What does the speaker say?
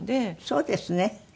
そうですね。